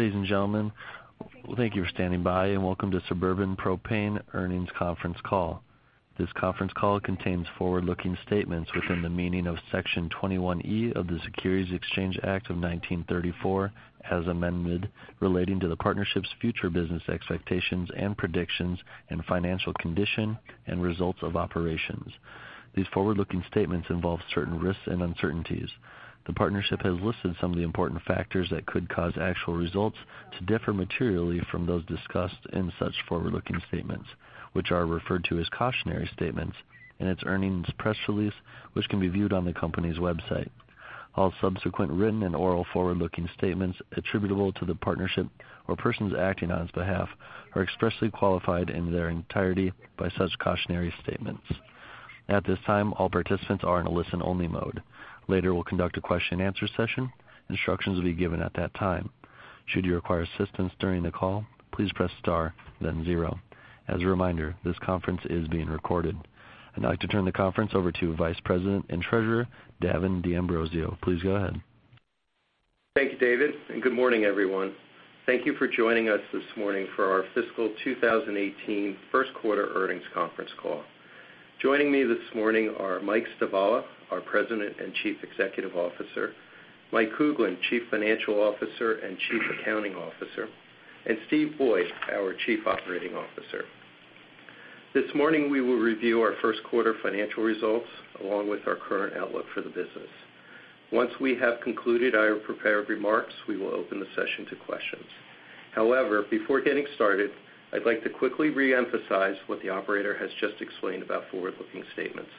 Ladies and gentlemen, thank you for standing by, and welcome to Suburban Propane Earnings Conference Call. This conference call contains forward-looking statements within the meaning of Section 21E of the Securities Exchange Act of 1934, as amended, relating to the partnership's future business expectations and predictions and financial condition and results of operations. These forward-looking statements involve certain risks and uncertainties. The partnership has listed some of the important factors that could cause actual results to differ materially from those discussed in such forward-looking statements, which are referred to as cautionary statements in its earnings press release, which can be viewed on the company's website. All subsequent written and oral forward-looking statements attributable to the partnership or persons acting on its behalf are expressly qualified in their entirety by such cautionary statements. At this time, all participants are in a listen-only mode. Later, we will conduct a question and answer session. Instructions will be given at that time. Should you require assistance during the call, please press star, then zero. As a reminder, this conference is being recorded. I'd now like to turn the conference over to Vice President and Treasurer, Davin D'Ambrosio. Please go ahead. Thank you, David, and good morning, everyone. Thank you for joining us this morning for our fiscal 2018 first quarter earnings conference call. Joining me this morning are Mike Stivala, our President and Chief Executive Officer; Mike Kuglin, Chief Financial Officer and Chief Accounting Officer; and Steve Boyd, our Chief Operating Officer. This morning, we will review our first quarter financial results, along with our current outlook for the business. Once we have concluded our prepared remarks, we will open the session to questions. Before getting started, I'd like to quickly re-emphasize what the operator has just explained about forward-looking statements.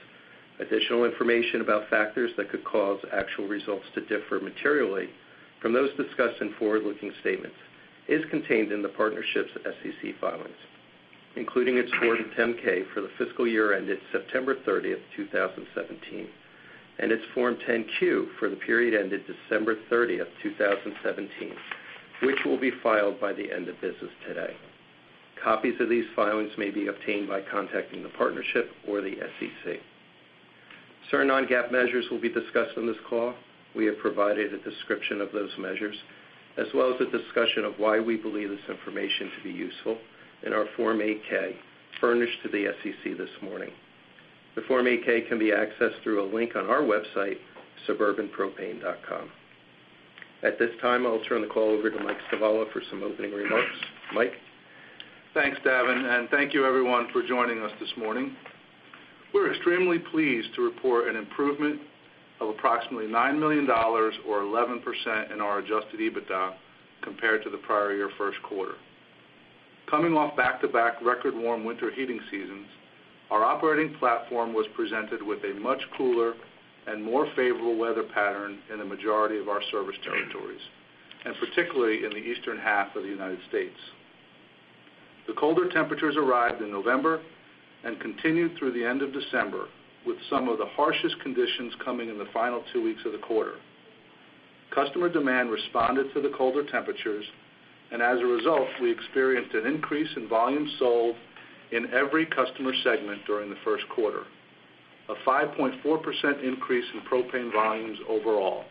Additional information about factors that could cause actual results to differ materially from those discussed in forward-looking statements is contained in the partnership's SEC filings, including its Form 10-K for the fiscal year ended September 30, 2017, and its Form 10-Q for the period ended December 30, 2017, which will be filed by the end of business today. Copies of these filings may be obtained by contacting the partnership or the SEC. Certain non-GAAP measures will be discussed on this call. We have provided a description of those measures, as well as a discussion of why we believe this information to be useful in our Form 8-K, furnished to the SEC this morning. The Form 8-K can be accessed through a link on our website, suburbanpropane.com. At this time, I'll turn the call over to Mike Stivala for some opening remarks. Mike? Thanks, Davin, and thank you everyone for joining us this morning. We're extremely pleased to report an improvement of approximately $9 million, or 11%, in our adjusted EBITDA compared to the prior year first quarter. Coming off back-to-back record warm winter heating seasons, our operating platform was presented with a much cooler and more favorable weather pattern in the majority of our service territories, and particularly in the eastern half of the U.S. The colder temperatures arrived in November and continued through the end of December, with some of the harshest conditions coming in the final two weeks of the quarter. Customer demand responded to the colder temperatures, and as a result, we experienced an increase in volume sold in every customer segment during the first quarter. A 5.4% increase in propane volumes overall.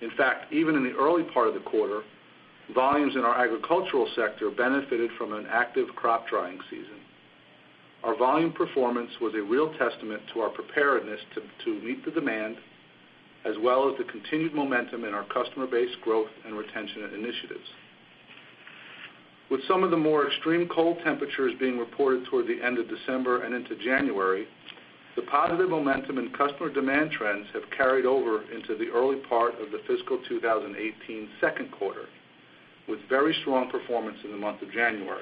In fact, even in the early part of the quarter, volumes in our agricultural sector benefited from an active crop drying season. Our volume performance was a real testament to our preparedness to meet the demand, as well as the continued momentum in our customer base growth and retention initiatives. With some of the more extreme cold temperatures being reported toward the end of December and into January, the positive momentum in customer demand trends have carried over into the early part of the fiscal 2018 second quarter, with very strong performance in the month of January.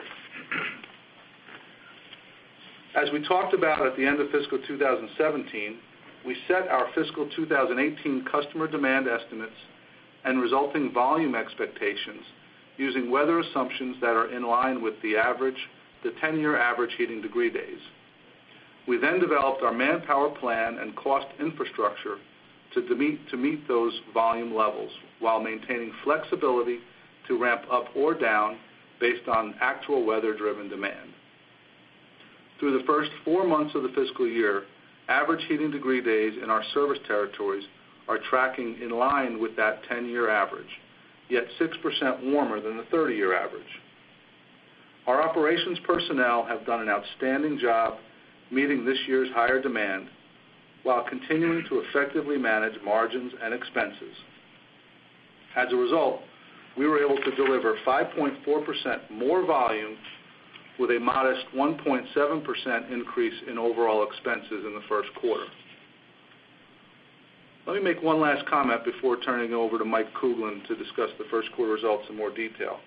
As we talked about at the end of fiscal 2017, we set our fiscal 2018 customer demand estimates and resulting volume expectations using weather assumptions that are in line with the average, the 10-year average heating degree days. We developed our manpower plan and cost infrastructure to meet those volume levels while maintaining flexibility to ramp up or down based on actual weather-driven demand. Through the first four months of the fiscal year, average heating degree days in our service territories are tracking in line with that 10-year average, yet 6% warmer than the 30-year average. Our operations personnel have done an outstanding job meeting this year's higher demand while continuing to effectively manage margins and expenses. As a result, we were able to deliver 5.4% more volume with a modest 1.7% increase in overall expenses in the first quarter. Let me make one last comment before turning it over to Mike Kuglin to discuss the first quarter results in more detail.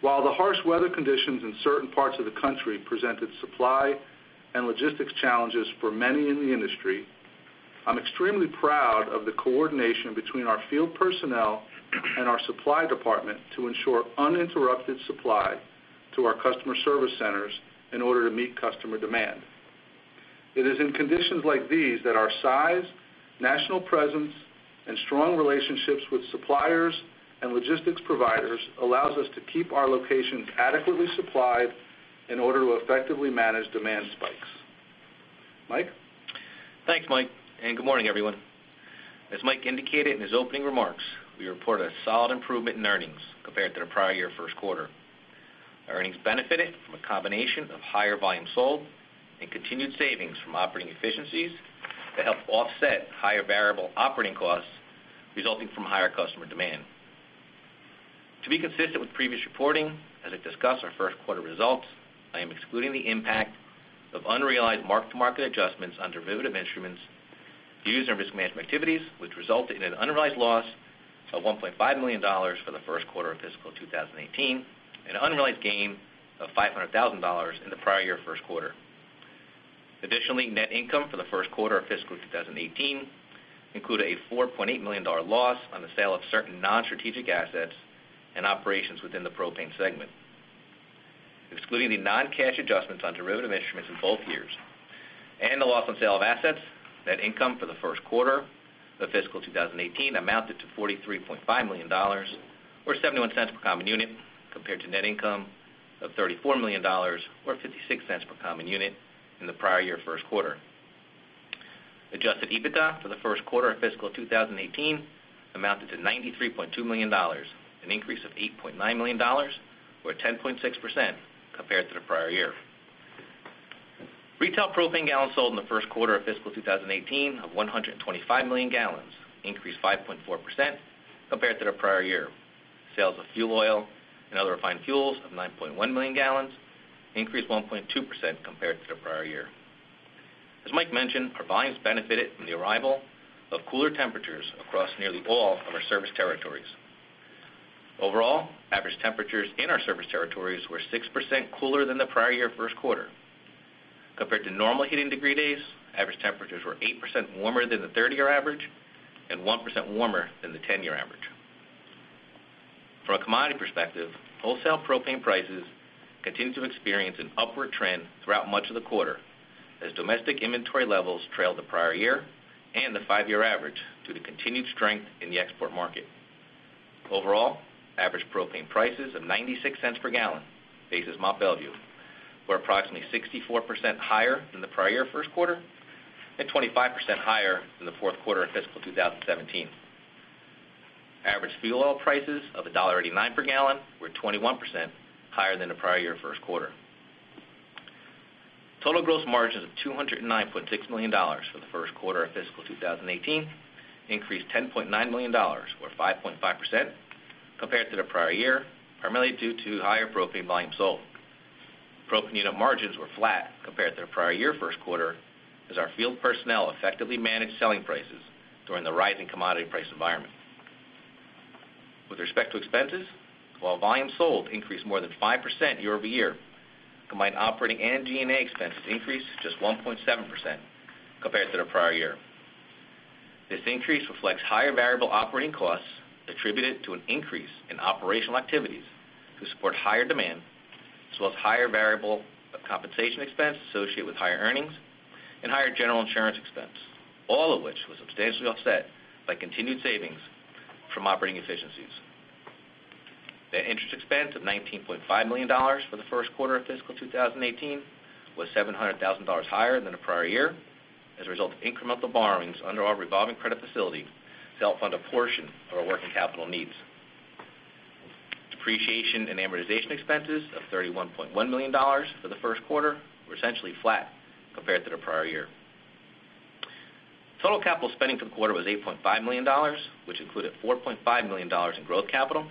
While the harsh weather conditions in certain parts of the country presented supply and logistics challenges for many in the industry, I'm extremely proud of the coordination between our field personnel and our supply department to ensure uninterrupted supply to our customer service centers in order to meet customer demand. It is in conditions like these that our size, national presence, and strong relationships with suppliers and logistics providers allows us to keep our locations adequately supplied in order to effectively manage demand spikes. Mike? Thanks, Mike, and good morning, everyone. As Mike indicated in his opening remarks, we report a solid improvement in earnings compared to the prior year first quarter. Our earnings benefited from a combination of higher volume sold and continued savings from operating efficiencies that helped offset higher variable operating costs resulting from higher customer demand. To be consistent with previous reporting, as I discuss our first quarter results, I am excluding the impact of unrealized mark-to-market adjustments under derivative instruments used in risk management activities, which resulted in an unrealized loss of $1.5 million for the first quarter of fiscal 2018 and an unrealized gain of $500,000 in the prior year first quarter. Additionally, net income for the first quarter of fiscal 2018 included a $4.8 million loss on the sale of certain non-strategic assets and operations within the propane segment. Excluding the non-cash adjustments on derivative instruments in both years and the loss on sale of assets, net income for the first quarter of fiscal 2018 amounted to $43.5 million, or $0.71 per common unit, compared to net income of $34 million, or $0.56 per common unit in the prior year first quarter. Adjusted EBITDA for the first quarter of fiscal 2018 amounted to $93.2 million, an increase of $8.9 million, or 10.6% compared to the prior year. Retail propane gallons sold in the first quarter of fiscal 2018 of 125 million gallons, increased 5.4% compared to the prior year. Sales of fuel oil and other refined fuels of 9.1 million gallons increased 1.2% compared to the prior year. As Mike mentioned, our volumes benefited from the arrival of cooler temperatures across nearly all of our service territories. Overall, average temperatures in our service territories were 6% cooler than the prior year first quarter. Compared to normal heating degree days, average temperatures were 8% warmer than the 30-year average and 1% warmer than the 10-year average. From a commodity perspective, wholesale propane prices continued to experience an upward trend throughout much of the quarter as domestic inventory levels trailed the prior year and the five-year average to the continued strength in the export market. Overall, average propane prices of $0.96 per gallon, basis Mont Belvieu, were approximately 64% higher than the prior year first quarter and 25% higher than the fourth quarter in fiscal 2017. Average fuel oil prices of $1.89 per gallon were 21% higher than the prior year first quarter. Total gross margins of $209.6 million for the first quarter of fiscal 2018 increased $10.9 million, or 5.5%, compared to the prior year, primarily due to higher propane volumes sold. Propane unit margins were flat compared to the prior year first quarter as our field personnel effectively managed selling prices during the rising commodity price environment. With respect to expenses, while volumes sold increased more than 5% year-over-year, combined operating and G&A expenses increased just 1.7% compared to the prior year. This increase reflects higher variable operating costs attributed to an increase in operational activities to support higher demand, as well as higher variable compensation expense associated with higher earnings and higher general insurance expense, all of which was substantially offset by continued savings from operating efficiencies. The interest expense of $19.5 million for the first quarter of fiscal 2018 was $700,000 higher than the prior year as a result of incremental borrowings under our revolving credit facility to help fund a portion of our working capital needs. Depreciation and amortization expenses of $31.1 million for the first quarter were essentially flat compared to the prior year. Total capital spending for the quarter was $8.5 million, which included $4.5 million in growth capital.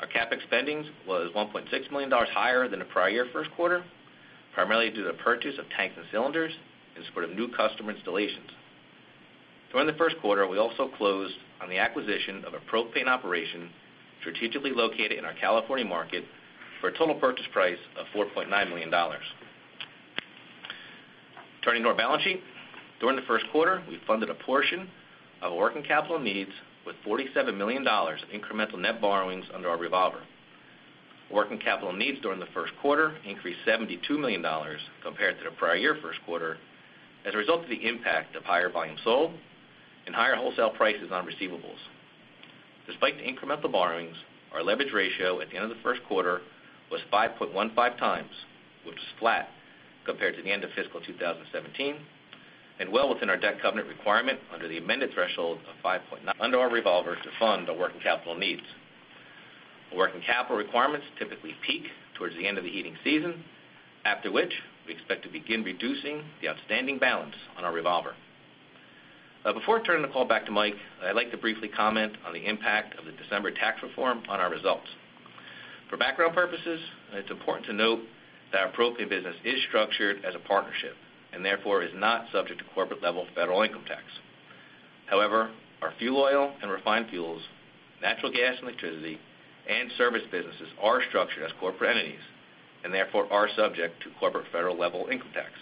Our CapEx spendings was $1.6 million higher than the prior year first quarter, primarily due to the purchase of tanks and cylinders in support of new customer installations. During the first quarter, we also closed on the acquisition of a propane operation strategically located in our California market for a total purchase price of $4.9 million. Turning to our balance sheet. During the first quarter, we funded a portion of our working capital needs with $47 million of incremental net borrowings under our revolver. Working capital needs during the first quarter increased $72 million compared to the prior year first quarter as a result of the impact of higher volume sold and higher wholesale prices on receivables. Despite the incremental borrowings, our leverage ratio at the end of the first quarter was 5.15 times, which was flat compared to the end of fiscal 2017 and well within our debt covenant requirement under the amended threshold of 5.9 under our revolvers to fund our working capital needs. Our working capital requirements typically peak towards the end of the heating season, after which we expect to begin reducing the outstanding balance on our revolver. Before turning the call back to Mike, I'd like to briefly comment on the impact of the December tax reform on our results. For background purposes, it's important to note that our propane business is structured as a partnership and therefore is not subject to corporate level federal income tax. However, our fuel oil and refined fuels, natural gas and electricity, and service businesses are structured as corporate entities and therefore are subject to corporate federal level income tax.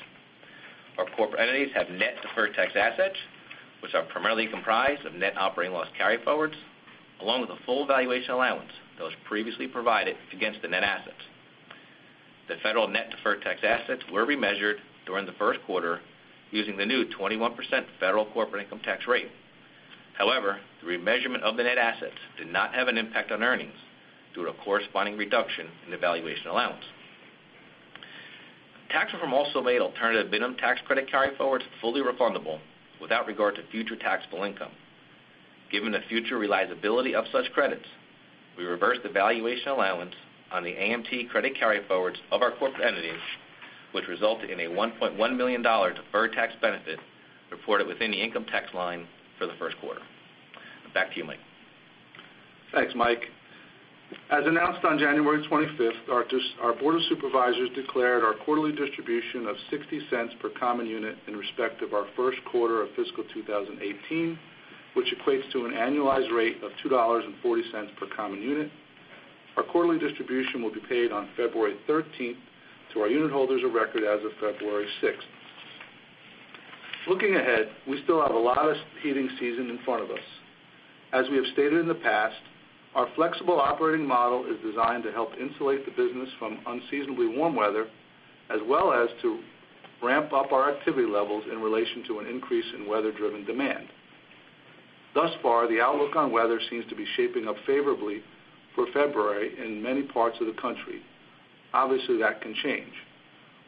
Our corporate entities have net deferred tax assets, which are primarily comprised of net operating loss carryforwards, along with a full valuation allowance that was previously provided against the net assets. The federal net deferred tax assets were remeasured during the first quarter using the new 21% federal corporate income tax rate. However, the remeasurement of the net assets did not have an impact on earnings due to a corresponding reduction in the valuation allowance. Tax reform also made alternative minimum tax credit carryforwards fully refundable without regard to future taxable income. Given the future reliability of such credits, we reversed the valuation allowance on the AMT credit carryforwards of our corporate entities, which resulted in a $1.1 million deferred tax benefit reported within the income tax line for the first quarter. Back to you, Mike. Thanks, Mike. As announced on January 25th, our board of supervisors declared our quarterly distribution of $0.60 per common unit in respect of our first quarter of fiscal 2018, which equates to an annualized rate of $2.40 per common unit. Our quarterly distribution will be paid on February 13th to our unit holders of record as of February 6th. Looking ahead, we still have a lot of heating season in front of us. As we have stated in the past, our flexible operating model is designed to help insulate the business from unseasonably warm weather, as well as to ramp up our activity levels in relation to an increase in weather-driven demand. Thus far, the outlook on weather seems to be shaping up favorably for February in many parts of the country. Obviously, that can change.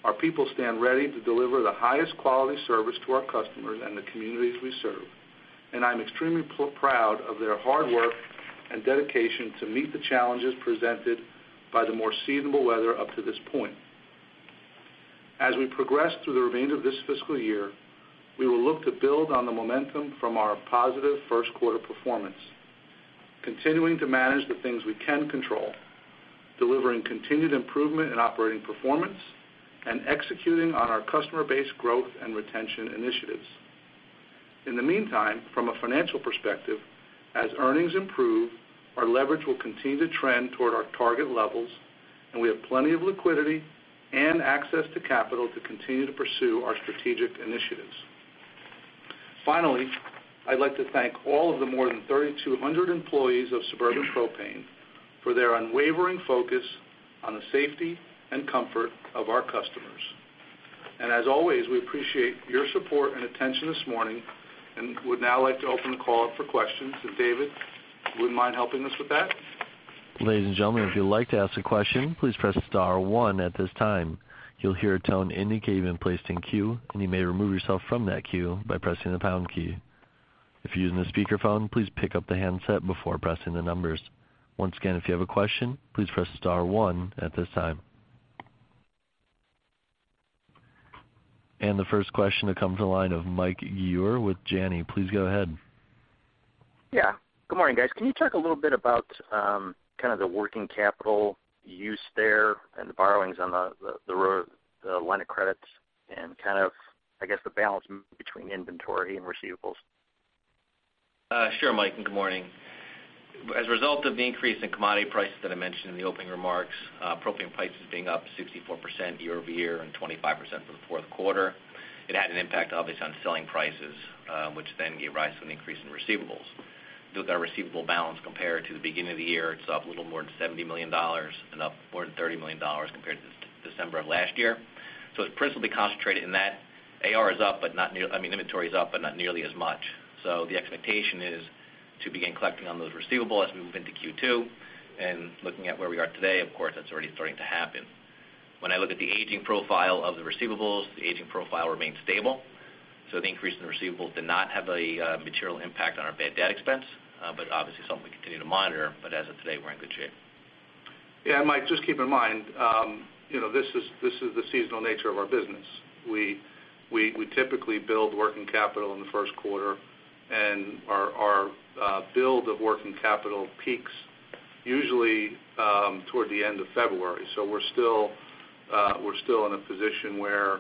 Our people stand ready to deliver the highest quality service to our customers and the communities we serve. I'm extremely proud of their hard work and dedication to meet the challenges presented by the more seasonable weather up to this point. As we progress through the remainder of this fiscal year, we will look to build on the momentum from our positive first quarter performance, continuing to manage the things we can control, delivering continued improvement in operating performance, and executing on our customer base growth and retention initiatives. In the meantime, from a financial perspective, as earnings improve, our leverage will continue to trend toward our target levels. We have plenty of liquidity and access to capital to continue to pursue our strategic initiatives. Finally, I'd like to thank all of the more than 3,200 employees of Suburban Propane for their unwavering focus on the safety and comfort of our customers. As always, we appreciate your support and attention this morning. Would now like to open the call up for questions. David, you wouldn't mind helping us with that? Ladies and gentlemen, if you'd like to ask a question, please press *1 at this time. You'll hear a tone indicating you've been placed in queue. You may remove yourself from that queue by pressing the # key. If you're using a speakerphone, please pick up the handset before pressing the numbers. Once again, if you have a question, please press *1 at this time. The first question will come from the line of Mike Ewher with Janney. Please go ahead. Yeah. Good morning, guys. Can you talk a little bit about kind of the working capital use there and the borrowings on the line of credits and kind of, I guess, the balance between inventory and receivables? Sure, Mike, good morning. As a result of the increase in commodity prices that I mentioned in the opening remarks, propane prices being up 64% year-over-year and 25% for the fourth quarter, it had an impact, obviously, on selling prices, which then gave rise to an increase in receivables. Our receivable balance compared to the beginning of the year, it's up a little more than $70 million and up more than $30 million compared to December of last year. It's principally concentrated in that. Inventory is up, not nearly as much. The expectation is to begin collecting on those receivables as we move into Q2. Looking at where we are today, of course, that's already starting to happen. When I look at the aging profile of the receivables, the aging profile remains stable. The increase in receivables did not have a material impact on our bad debt expense. Obviously, something we continue to monitor. As of today, we're in good shape. Yeah, Mike, just keep in mind, this is the seasonal nature of our business. We typically build working capital in the first quarter, our build of working capital peaks usually toward the end of February. We're still in a position where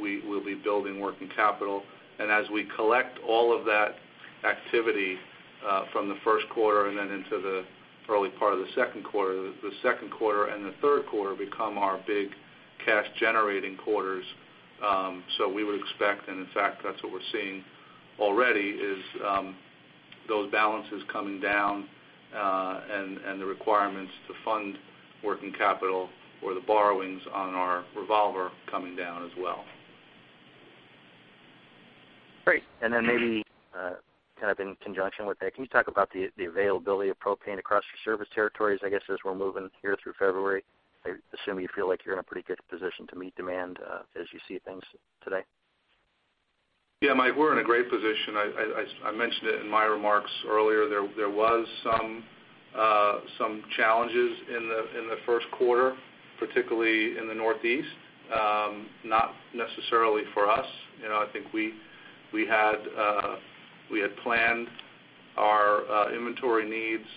we'll be building working capital. As we collect all of that activity from the first quarter and then into the early part of the second quarter, the second quarter and the third quarter become our big cash-generating quarters. We would expect, in fact, that's what we're seeing already, is those balances coming down and the requirements to fund working capital or the borrowings on our revolver coming down as well. Great. Then maybe kind of in conjunction with that, can you talk about the availability of propane across your service territories, I guess, as we're moving here through February? I assume you feel like you're in a pretty good position to meet demand as you see things today. Yeah, Mike, we're in a great position. I mentioned it in my remarks earlier. There was some challenges in the first quarter, particularly in the Northeast. Not necessarily for us. I think we had planned our inventory needs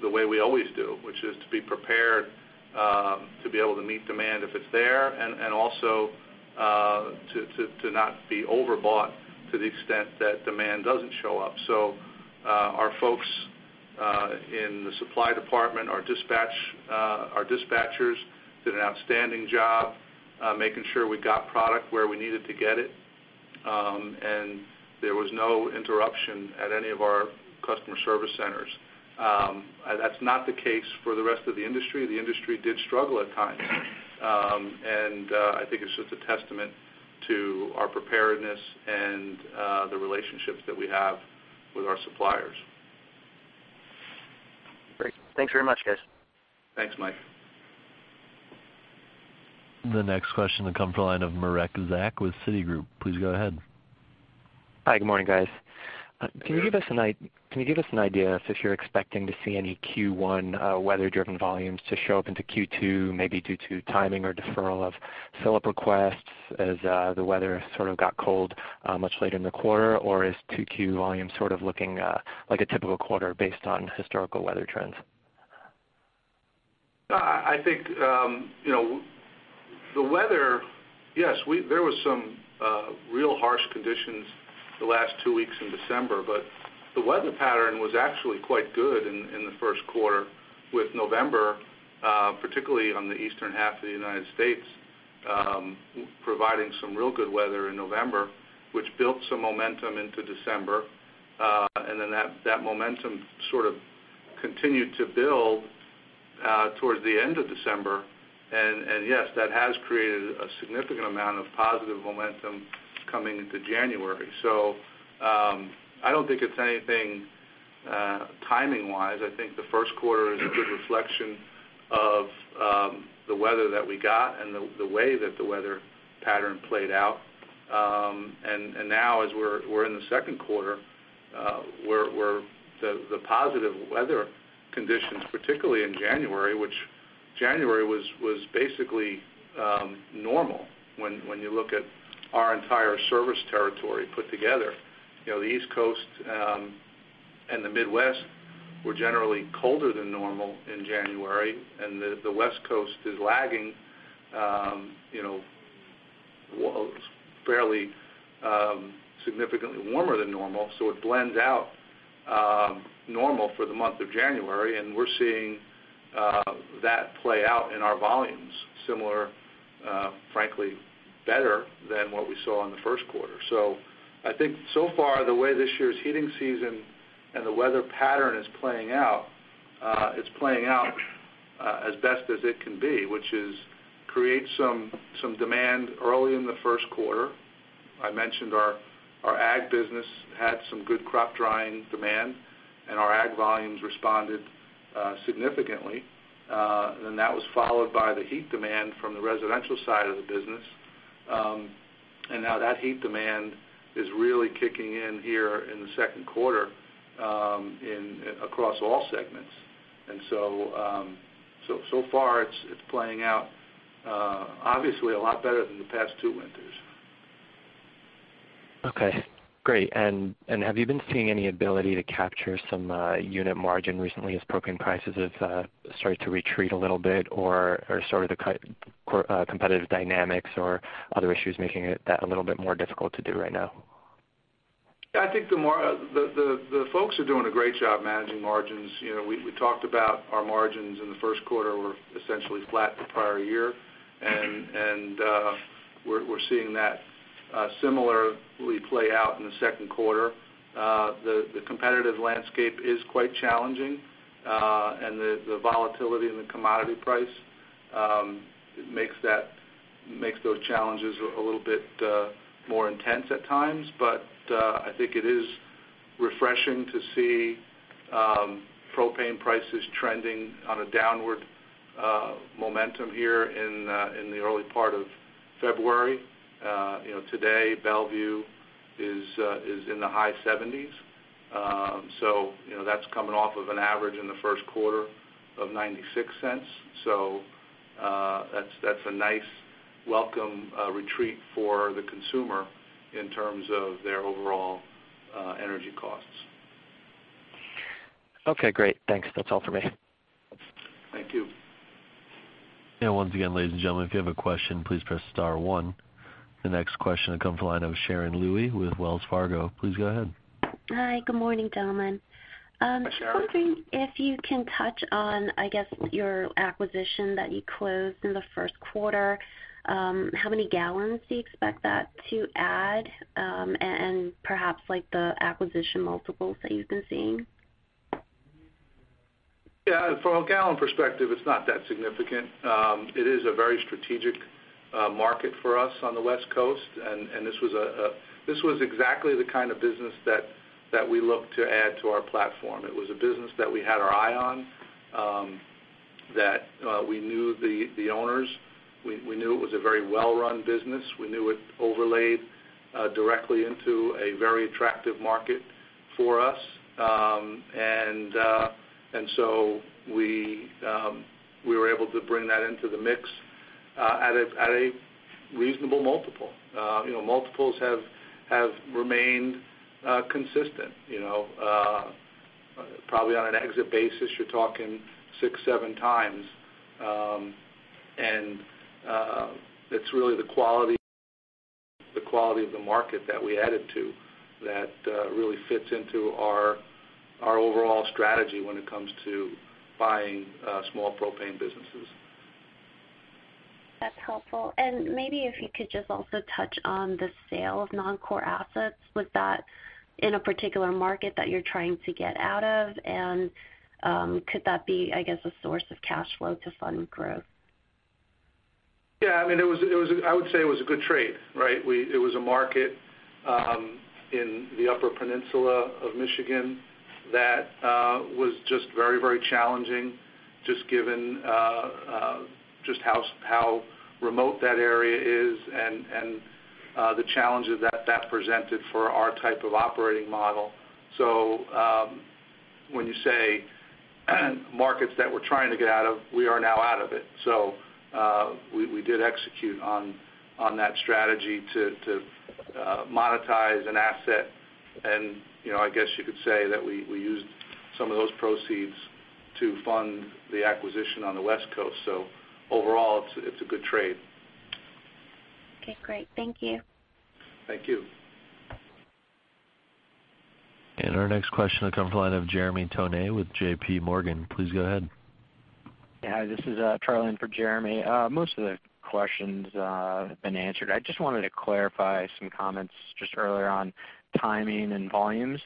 the way we always do, which is to be prepared to be able to meet demand if it's there and also to not be overbought to the extent that demand doesn't show up. Our folks in the supply department, our dispatchers, did an outstanding job making sure we got product where we needed to get it, and there was no interruption at any of our customer service centers. That's not the case for the rest of the industry. The industry did struggle at times. I think it's just a testament to our preparedness and the relationships that we have with our suppliers. Great. Thanks very much, guys. Thanks, Mike. The next question will come from the line of Marek Zak with Citigroup. Please go ahead. Hi, good morning, guys. Hi. Can you give us an idea if you're expecting to see any Q1 weather-driven volumes to show up into Q2, maybe due to timing or deferral of fill-up requests as the weather sort of got cold much later in the quarter? Is 2Q volume sort of looking like a typical quarter based on historical weather trends? Yes, there was some real harsh conditions the last two weeks in December, but the weather pattern was actually quite good in the first quarter with November, particularly on the eastern half of the U.S., providing some real good weather in November, which built some momentum into December. That momentum sort of continued to build towards the end of December. Yes, that has created a significant amount of positive momentum coming into January. I don't think it's anything timing wise. I think the first quarter is a good reflection of the weather that we got and the way that the weather pattern played out. Now as we're in the second quarter, the positive weather conditions, particularly in January, which January was basically normal when you look at our entire service territory put together. The East Coast and the Midwest were generally colder than normal in January, the West Coast is lagging fairly significantly warmer than normal. It blends out normal for the month of January, and we're seeing that play out in our volumes similar, frankly, better than what we saw in the first quarter. I think so far, the way this year's heating season and the weather pattern is playing out, it's playing out as best as it can be, which is create some demand early in the first quarter. I mentioned our ag business had some good crop drying demand, and our ag volumes responded significantly. That was followed by the heat demand from the residential side of the business. Now that heat demand is really kicking in here in the second quarter across all segments. So far it's playing out obviously a lot better than the past two winters. Okay, great. Have you been seeing any ability to capture some unit margin recently as propane prices have started to retreat a little bit? Are sort of the competitive dynamics or other issues making that a little bit more difficult to do right now? I think the folks are doing a great job managing margins. We talked about our margins in the first quarter were essentially flat the prior year. We're seeing that similarly play out in the second quarter. The competitive landscape is quite challenging. The volatility in the commodity price makes those challenges a little bit more intense at times. I think it is refreshing to see propane prices trending on a downward momentum here in the early part of February. Today, Mont Belvieu is in the high 70s. That's coming off of an average in the first quarter of $0.96. That's a nice welcome retreat for the consumer in terms of their overall energy costs. Okay, great. Thanks. That's all for me. Thank you. Once again, ladies and gentlemen, if you have a question, please press *1. The next question will come from the line of Sharon Lewie with Wells Fargo. Please go ahead. Hi, good morning, gentlemen. Hi, Sharon. Just wondering if you can touch on, I guess, your acquisition that you closed in the first quarter. How many gallons do you expect that to add? Perhaps like the acquisition multiples that you've been seeing? Yeah. From a gallon perspective, it's not that significant. It is a very strategic market for us on the West Coast. This was exactly the kind of business that we look to add to our platform. It was a business that we had our eye on, that we knew the owners. We knew it was a very well-run business. We knew it overlaid directly into a very attractive market for us. We were able to bring that into the mix at a reasonable multiple. Multiples have remained consistent. Probably on an exit basis, you're talking six, seven times. It's really the quality of the market that we added to that really fits into our overall strategy when it comes to buying small propane businesses. That's helpful. Maybe if you could just also touch on the sale of non-core assets. Was that in a particular market that you're trying to get out of? Could that be, I guess, a source of cash flow to fund growth? Yeah. I would say it was a good trade, right? It was a market in the Upper Peninsula of Michigan that was just very challenging, just given how remote that area is and the challenges that presented for our type of operating model. When you say markets that we're trying to get out of, we are now out of it. We did execute on that strategy to monetize an asset and I guess you could say that we used some of those proceeds to fund the acquisition on the West Coast. Overall, it's a good trade. Okay, great. Thank you. Thank you. Our next question will come from the line of Jeremy Tonet with JP Morgan. Please go ahead. Yeah. Hi, this is Charlie in for Jeremy. Most of the questions have been answered. I just wanted to clarify some comments just earlier on timing and volumes.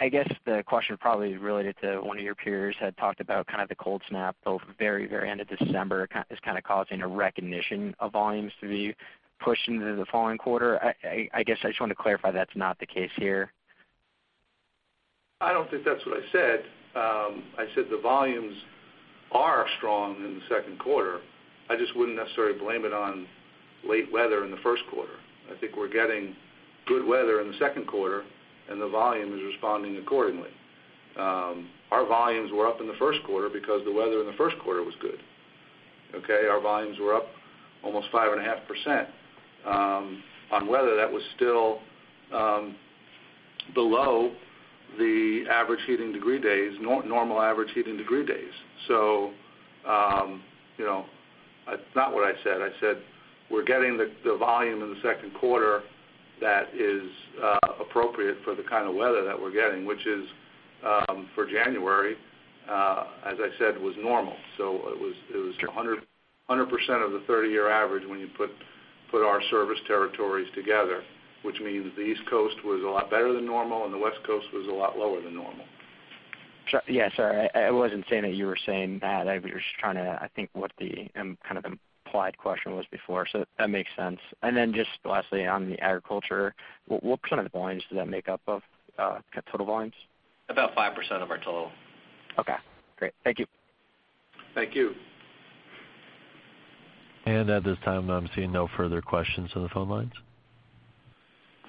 I guess the question probably is related to one of your peers had talked about kind of the cold snap, both very end of December is kind of causing a recognition of volumes to be pushed into the following quarter. I guess I just wanted to clarify that's not the case here. I don't think that's what I said. I said the volumes are strong in the second quarter. I just wouldn't necessarily blame it on late weather in the first quarter. I think we're getting good weather in the second quarter, and the volume is responding accordingly. Our volumes were up in the first quarter because the weather in the first quarter was good. Okay? Our volumes were up almost 5.5%. On weather, that was still below the average heating degree days, normal average heating degree days. That's not what I said. I said we're getting the volume in the second quarter that is appropriate for the kind of weather that we're getting, which is, for January, as I said, was normal. It was. Sure 100% of the 30-year average when you put our service territories together, which means the East Coast was a lot better than normal, and the West Coast was a lot lower than normal. Yeah, sorry. I wasn't saying that you were saying that. I was just trying to, I think, what the kind of implied question was before. That makes sense. Lastly on the agriculture, what % of the volumes does that make up of total volumes? About 5% of our total. Okay, great. Thank you. Thank you. At this time, I'm seeing no further questions on the phone lines.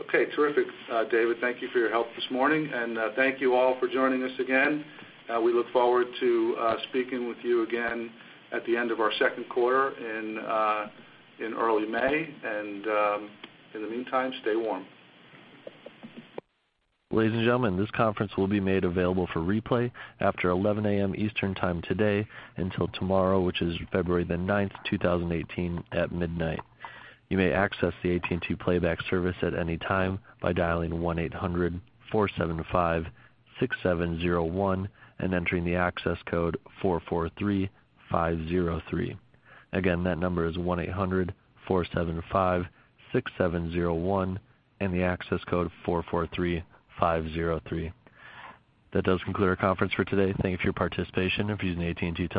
Okay, terrific. David, thank you for your help this morning, and thank you all for joining us again. We look forward to speaking with you again at the end of our second quarter in early May. In the meantime, stay warm. Ladies and gentlemen, this conference will be made available for replay after 11:00 A.M. Eastern Time today until tomorrow, which is February the 9th, 2018, at midnight. You may access the AT&T playback service at any time by dialing 1-800-475-6701 and entering the access code 443503. Again, that number is 1-800-475-6701 and the access code 443503. That does conclude our conference for today. Thank you for your participation. If using AT&T telephone.